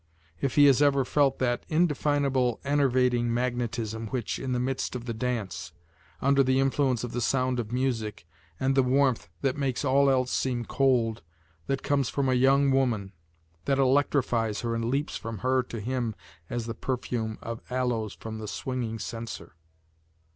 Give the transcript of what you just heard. If he has ever felt that indefinable enervating magnetism which, in the midst of the dance, under the influence of the sound of music, and the warmth that makes all else seem cold, that comes from a young woman, that electrifies her and leaps from her to him as the perfume of aloes from the swinging censer?